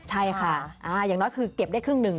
ใช่ค่ะอย่างน้อยคือเก็บได้ครึ่งหนึ่ง